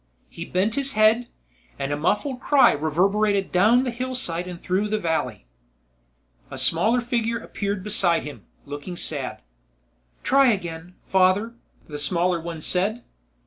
He bent his head, and a muffled cry reverberated down the hillside and through the valley. A smaller figure appeared beside him, looking sad. "Try again, father," the smaller one said.